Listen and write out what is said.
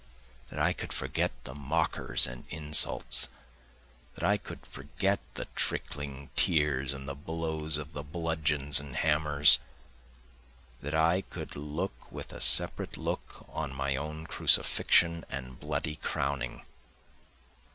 That I could forget the mockers and insults! That I could forget the trickling tears and the blows of the bludgeons and hammers! That I could look with a separate look on my own crucifixion and bloody crowning.